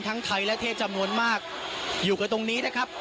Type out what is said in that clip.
ทั้งไทยและเทศจำนวนมากอยู่กันตรงนี้นะครับ